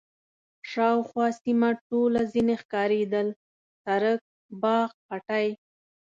شاوخوا سیمه ټوله ځنې ښکارېدل، سړک، باغ، پټی.